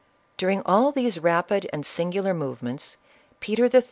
During all these rapid and singular movements, Peter III.